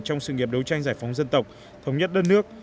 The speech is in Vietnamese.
trong sự nghiệp đấu tranh giải phóng dân tộc thống nhất đất nước